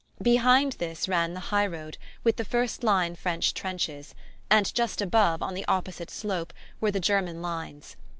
Behind this ran the high road, with the first line French trenches, and just above, on the opposite slope, were the German lines.